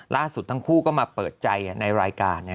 ล่าสุดทั้งคู่ก็มาเปิดใจในรายการ